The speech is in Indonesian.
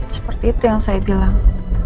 seperti itu yang saya bilang